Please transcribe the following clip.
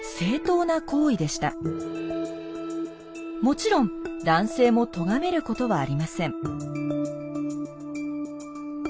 もちろん男性もとがめることはありません。